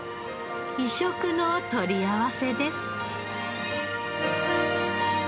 異色の取り合わせです。